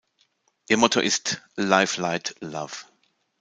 Ihr Motto ist „Life, Light, Love“.